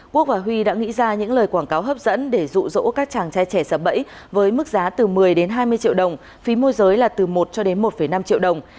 quốc và huy đã nghĩ ra những lời quảng cáo hấp dẫn để dụ dỗ các chàng trai trẻ sập bẫy với mức giá từ một mươi đến hai mươi triệu đồng phí môi giới là từ một cho đến một năm triệu đồng